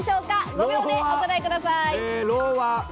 ５秒でお答えください。